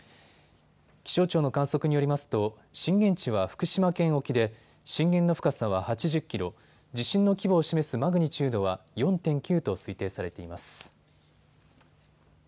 気象庁の観測によりますと震源地は福島県沖で震源の深さは８０キロ、地震の規模を示すマグニチュードは４．９と推定されています。